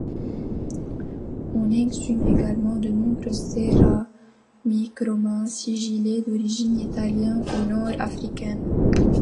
On exhume également de nombreuses céramiques romaines sigillées, d'origine italienne ou nord-africaine.